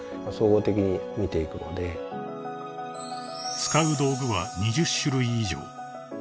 ［使う道具は２０種類以上］